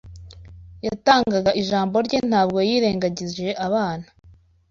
yatangaga Ijambo rye, ntabwo yirengagije abana